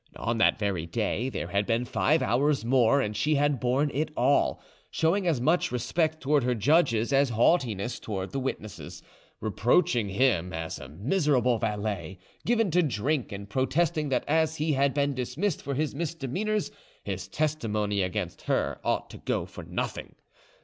On that very day, there had been five hours more, and she had borne it all, showing as much respect towards her judges as haughtiness towards the witness, reproaching him as a miserable valet, given to drink, and protesting that as he had been dismissed for his misdemeanours, his testimony against her ought to go for nothing.